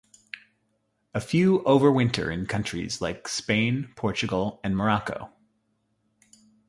A few overwinter in countries like Spain, Portugal and Morocco.